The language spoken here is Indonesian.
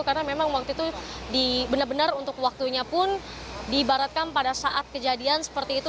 karena memang waktu itu benar benar untuk waktunya pun diibaratkan pada saat kejadian seperti itu